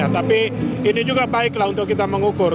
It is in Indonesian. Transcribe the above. tapi ini juga baiklah untuk kita mengukur